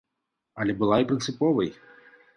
Але была і прынцыповай.